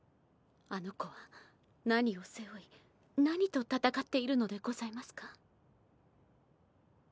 あの子は何をせ負い何とたたかっているのでございますか？